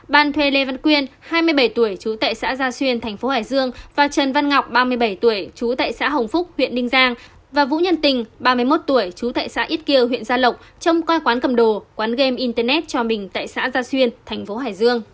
ban thuê lê văn quyên hai mươi bảy tuổi trú tại xã gia xuyên tp hải dương và trần văn ngọc ba mươi bảy tuổi trú tại xã hồng phúc huyện đinh giang và vũ nhân tình ba mươi một tuổi trú tại xã ít kiều huyện gia lộc trong coi quán cầm đồ quán game internet cho mình tại xã gia xuyên tp hải dương